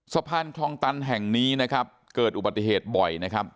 สะพานคลองตันแห่งนี้นะครับเกิดอุบัติเหตุบ่อยนะครับ